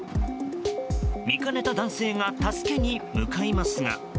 見かねた男性が助けに向かいますが。